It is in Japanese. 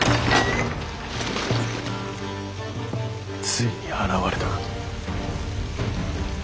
ついに現れたか。